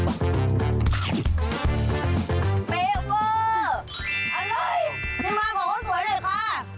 ไปนี่มาของเขาก้นสวยหน่อยค่ะ